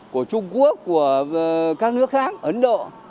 của trung quốc của các nước khác ấn độ